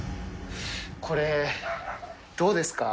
これ、どうですか。